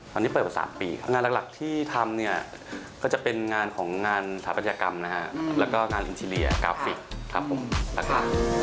ตอนนี้เปิดมา๓ปีครับงานหลักที่ทำเนี่ยก็จะเป็นงานของงานสถาปัตยกรรมนะฮะแล้วก็งานลินทีเรียกราฟิกครับผมนะครับ